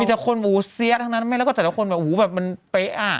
มีแต่คนอยู่ซี๋ยอทั้งนั้นแต่หูแบบมันเป๊ะอะ